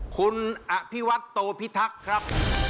คุณอภิวัตโตพิทักษ์ครับ